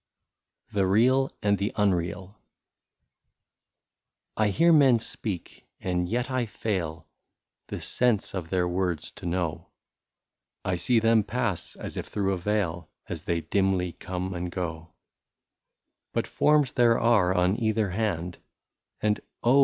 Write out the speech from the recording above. ii6 THE REAL AND THE UNREAL.* I HEAR men speak, and yet I fail The sense of their words to know ; I see them pass as if through a veil, As they dimly come and go ; But forms there are on either hand, And oh